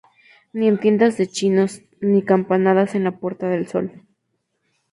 ni tiendas de chinos, ni campanadas en la Puerta del Sol